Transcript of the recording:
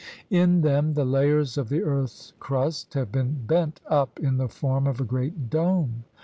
In them the layers of the earth's crust have been bent up in the form of a great dome.